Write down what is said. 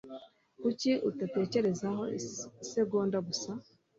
Kuki utategereza hano isegonda gusa?